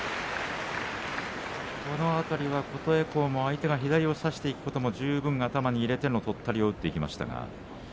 この辺りは琴恵光も相手が左差してくることを十分に頭に入れてとったりを打ってきました。